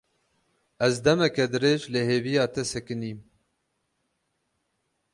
Ez demeke dirêj li hêviya te sekinîm.